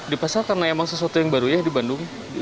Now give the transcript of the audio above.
di pasar karena emang sesuatu yang baru ya di bandung